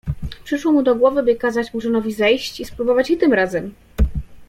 Przyszło mu do głowy, by kazać Murzynowi zejść i spróbować i tym razem.